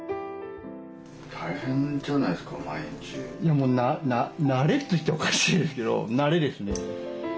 もう慣れといったらおかしいですけど慣れですね。